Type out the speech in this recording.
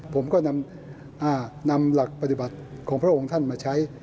ผมก็นำหลักปฏิบัติของพระองค์ท่านมาใช้